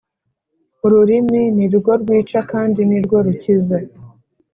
ururimi ni rwo rwica kandi ni rwo rukiza,